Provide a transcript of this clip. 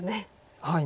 はい。